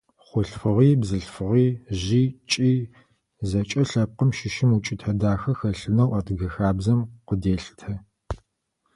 Хъулъфыгъи, бзылъфыгъи, жъи, кӀи – зэкӀэ лъэпкъым щыщым укӀытэ дахэ хэлъынэу адыгэ хабзэм къыделъытэ.